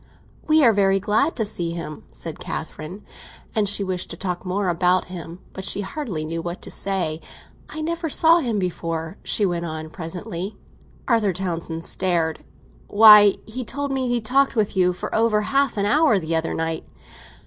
"We are very glad to see him," said Catherine. And she wished to talk more about him; but she hardly knew what to say. "I never saw him before," she went on presently. Arthur Townsend stared. "Why, he told me he talked with you for over half an hour the other night."